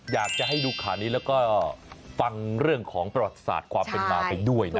อยากจะให้ดูข่าวนี้แล้วก็ฟังเรื่องของประวัติศาสตร์ความเป็นมาไปด้วยนะ